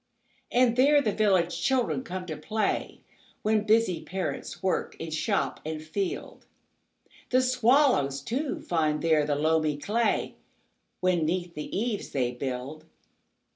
And there the village children come to play, When busy parents work in shop and field. The swallows, too, find there the loamy clayWhen 'neath the eaves they build.